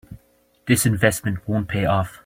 This investment won't pay off.